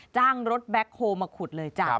จ้างรถแบ็คโฮลมาขุดเลยจ้ะ